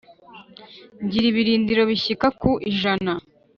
ngira ibirindiro bishyika ku ijana